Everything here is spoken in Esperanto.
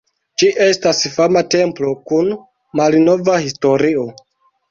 Ĝi estas fama templo kun malnova historio.